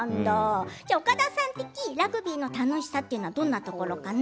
岡田さん的ラグビーの楽しさはどんなところかな？